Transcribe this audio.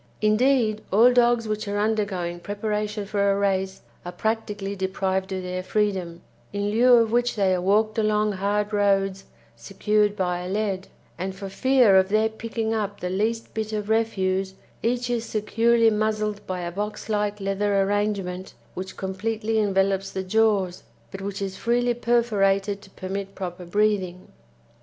Indeed, all dogs which are undergoing preparation for a race are practically deprived of their freedom, in lieu of which they are walked along hard roads secured by a lead; and for fear of their picking up the least bit of refuse each is securely muzzled by a box like leather arrangement which completely envelops the jaws, but which is freely perforated to permit proper breathing.